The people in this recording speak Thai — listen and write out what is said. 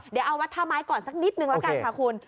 เดี๋ยวเอาวัดท่าไม้ก่อนสักนิดนึงละกันค่ะคุณ